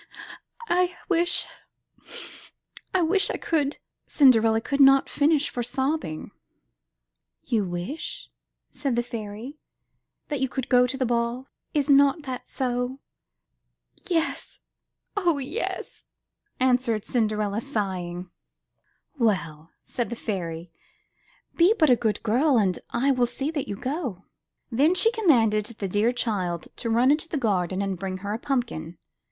'' *'I wish — I wish I could —," Cinderella could not finish for sobbing. ''You wish," said the fairy, "that you could go to the ball. Is not that so?" "Yes! O yes!" answered Cinderella, sighing. s: MY BOOK HOUSE ''Well/' said the Fairy, ''be but a good girl, and I will see that you go.'* Then she commanded the dear child to run into the garden and bring her a pumpkin.